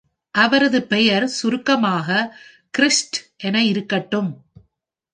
அவரது பெயர் சுருக்கமாக கிரிஷ்ட் என இருக்கட்டும்.